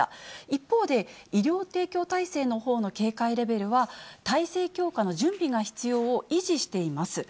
一方で、医療提供体制のほうの警戒レベルは、体制強化の準備が必要を維持しています。